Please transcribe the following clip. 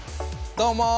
どうも。